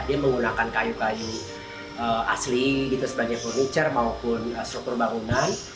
dia menggunakan kayu kayu asli gitu sebagai furniture maupun struktur bangunan